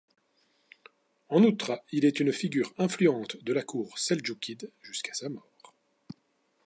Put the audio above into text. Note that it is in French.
En outre, il est une figure influente de la cour seldjoukide jusqu'à sa mort.